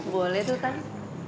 boleh tuh tante